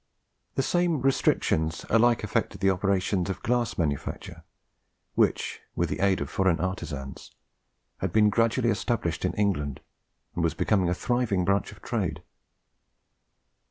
The same restrictions alike affected the operations of the glass manufacture, which, with the aid of foreign artisans, had been gradually established in England, and was becoming a thriving branch of trade.